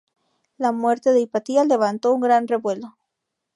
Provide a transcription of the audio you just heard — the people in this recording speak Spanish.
La muerte de Hipatia levantó un gran revuelo.